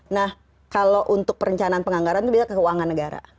nah kalau untuk perencanaan penganggaran itu bisa ke keuangan negara